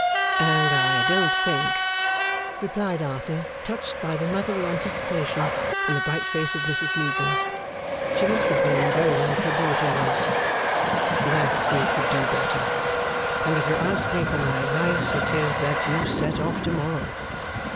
'And I don't think,' replied Arthur, touched by the motherly anticipation in the bright face of Mrs Meagles (she must have been very like her daughter, once), 'that you could do better. And if you ask me for my advice, it is that you set off to morrow.